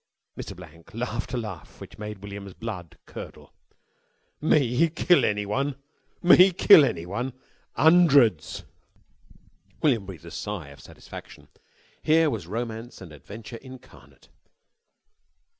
Mr. Blank laughed a laugh that made William's blood curdle. "Me kill anyone? Me kill anyone? 'Ondreds!" William breathed a sigh of satisfaction. Here was romance and adventure incarnate.